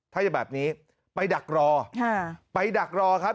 ถ้าจะแบบนี้ไปดักรอไปดักรอครับ